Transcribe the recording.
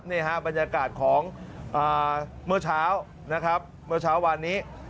บรรยากาศของเมื่อเช้านะครับเมื่อเช้าวานนี้